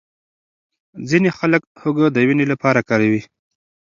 ځینې خلک هوږه د وینې لپاره کاروي.